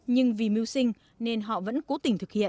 nhưng vì mưu sinh nên họ vẫn cố tình thực hiện